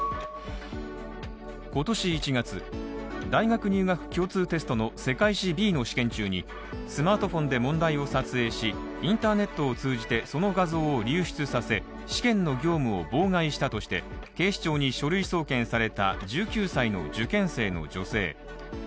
今年１月、大学入学共通テストの世界史Ｂの試験中にスマートフォンで問題を撮影しインターネットを通じてその画像を流出させ試験の業務を妨害したとして警視庁に書類送検された１９歳の受験生の女性。